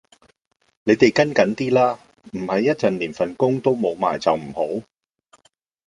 你地跟緊啲啦，唔係一陣連份工都冇埋就唔好